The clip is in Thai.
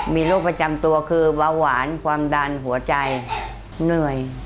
มีโรคประจำตัวคือเบาหวานความดันหัวใจเหนื่อย